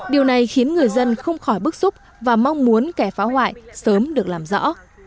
điều này khiến người dân không khỏi bức xúc và mong muốn kẻ phá hoại sớm được làm rõ